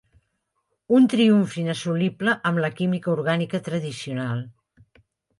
Un triomf inassolible amb la química orgànica tradicional.